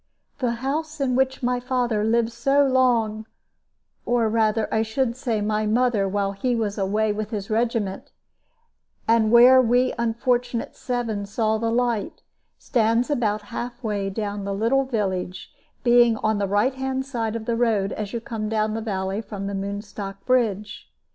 The house in which my father lived so long or rather, I should say, my mother, while he was away with his regiment and where we unfortunate seven saw the light, stands about half way down the little village, being on the right hand side of the road as you come down the valley from the Moonstock bridge.